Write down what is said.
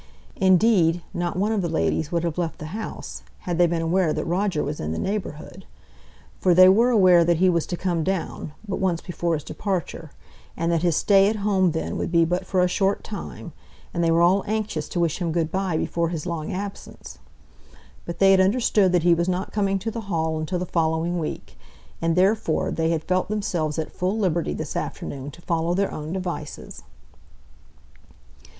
Indeed, not one of the ladies would have left the house, had they been aware that Roger was in the neighbourhood; for they were aware that he was to come down but once before his departure, and that his stay at home then would be but for a short time, and they were all anxious to wish him good by before his long absence. But they had understood that he was not coming to the Hall until the following week, and therefore they had felt themselves at full liberty this afternoon to follow their own devices.